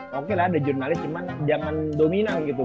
pokoknya ada jurnalis cuman jangan dominan gitu